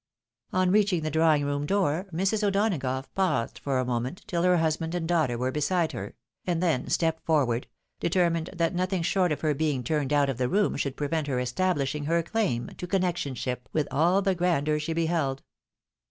On reaching the drawing room door, Mrs. O'Donagough paused for a moment tUl her husband and daughter were beside her, and then stepped forward, determined that nothing short of her being turned out of the room should prevent her establishing her claim to connectionship vrith all the grandeirr she beheld.